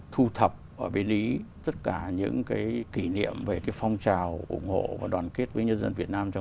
thu thập ở bên ý tất cả những cái kỷ niệm về cái phong trào ủng hộ và đoàn kết với nhân dân việt nam trong